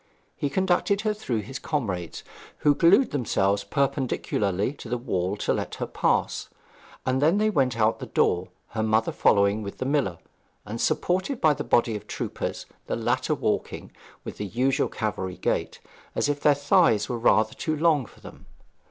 He conducted her through his comrades, who glued themselves perpendicularly to the wall to let her pass, and then they went out of the door, her mother following with the miller, and supported by the body of troopers, the latter walking with the usual cavalry gait, as if their thighs were rather too long for them.